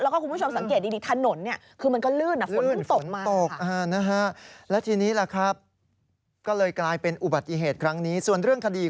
แล้วก็คุณผู้ชมสังเกตดีถนนเนี่ย